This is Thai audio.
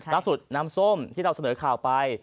น้ำซุน้ำส้มที่เราเสนอข่าวไป